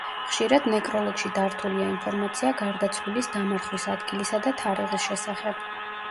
ხშირად ნეკროლოგში დართულია ინფორმაცია გარდაცვლილის დამარხვის ადგილისა და თარიღის შესახებ.